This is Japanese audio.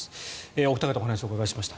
お二方お話をお伺いしました。